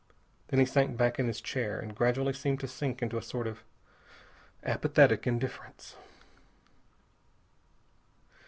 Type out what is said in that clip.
Then he sank back in his chair and gradually seemed to sink into a sort of apathetic indifference.